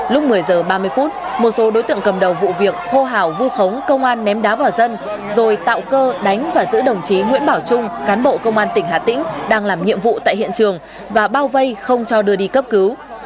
lúc một mươi h ba mươi phút một số đối tượng cầm đầu vụ việc hô hào vu khống công an ném đá vào dân rồi tạo cơ đánh và giữ đồng chí nguyễn bảo trung cán bộ công an tỉnh hà tĩnh đang làm nhiệm vụ tại hiện trường và bao vây không cho đưa đi cấp cứu